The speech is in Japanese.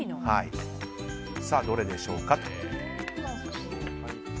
さあ、どれでしょうか。